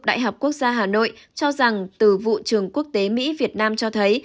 đại học quốc gia hà nội cho rằng từ vụ trường quốc tế mỹ việt nam cho thấy